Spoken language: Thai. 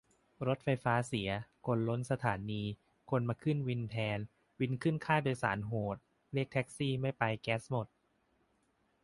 รถไฟฟ้าเสีย คนล้นสถานี คนมาขึ้นวินแทน วินขึ้นค่าโดยสารโหด เรียกแท็กซี่ไม่ไปแก๊สหมด